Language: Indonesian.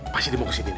pasti dibangkit sini